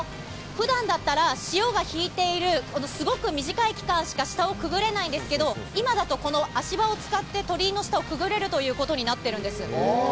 普段だったら、潮が引いているすごく短い期間しか下をくぐれないんですけど、今だと足場を使って鳥居の下をくぐれるということになっているんです。